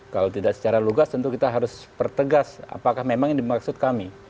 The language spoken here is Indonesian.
kalau tidak secara lugas tentu kita harus pertegas apakah memang ini dimaksud kami